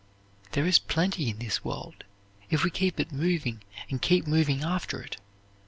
There is plenty in this world, if we keep it moving and keep moving after it.